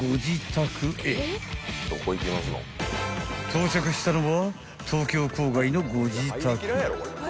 ［到着したのは東京郊外の］